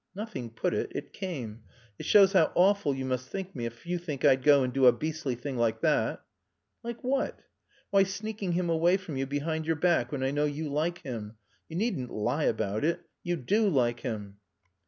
"Nothing put it. It came. It shows how awful you must think me if you think I'd go and do a beastly thing like that." "Like what?" "Why sneaking him away from you behind your back when I know you like him. You needn't lie about it. You do like him.